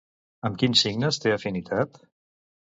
Amb quins signes té afinitat?